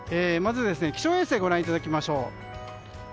まず気象衛星をご覧いただきましょう。